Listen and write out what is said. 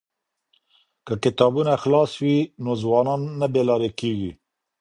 که کتابتونونه خلاص وي نو ځوانان نه بې لارې کیږي.